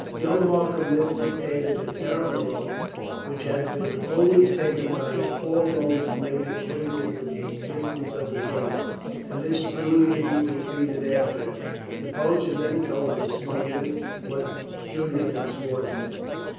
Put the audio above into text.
Joe Markham then dictated a terrible oath, which had been always taken by all those made acquainted with the existence of the cave, and this Julian repeated after him. The poacher then told the smugglers what Julian had sworn to.